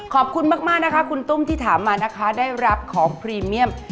ขอบคุณมากนะคะคุณตุ้มที่ถามมานะคะได้รับของพรีเมียม